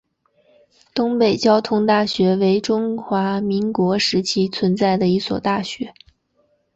东北交通大学为中华民国时期存在的一所大学。